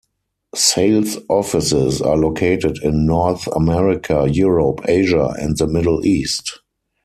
Sales offices are located in North America, Europe, Asia and the Middle East.